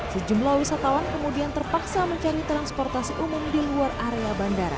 sejumlah wisatawan kemudian terpaksa mencari transportasi umum di luar area bandara